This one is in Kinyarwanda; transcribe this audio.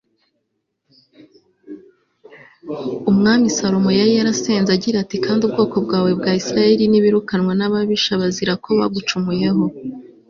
umwami salomo yari yarasenze agira ati kandi ubwoko bwawe bwa isirayeli nibirukanwa n'ababisha bazira ko bagucumuyeho